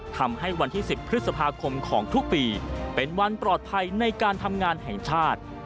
ทำให้วันที่๑๐พฤษภาคมของทุกปีเป็นวันปลอดภัยในการทำงานแห่งชาติ